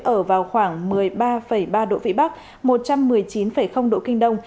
ở vào khoảng một mươi ba ba độ vĩ bắc một trăm một mươi chín độ kinh đông